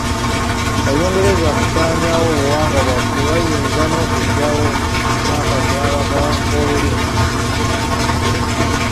Olungereza kusaanyaawo obuwangwa bwaffe wayinza n'okujjawo n'akatyabaga k'olulimi.